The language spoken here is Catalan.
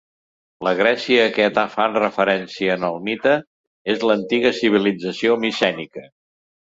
La Grècia a què fan referència en el mite és l'antiga civilització micènica.